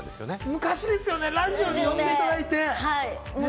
昔っすよね、ラジオに呼んでいただいて。